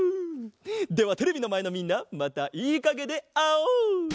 ではテレビのまえのみんなまたいいかげであおう！